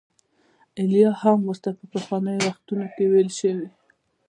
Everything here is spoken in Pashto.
ایلیا هم ورته په پخوانیو وختونو کې ویل شوي.